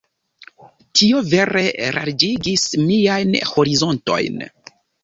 Tio vere larĝigis miajn horizontojn.